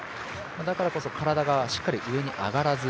だからこそ、体がしっかり上に上がらず